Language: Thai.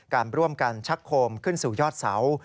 การร่วมกันชักโคมขึ้นสู่ยอดเสา